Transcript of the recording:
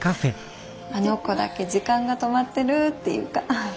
あの子だけ時間が止まってるっていうか。